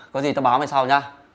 có gì tao báo mày sau nha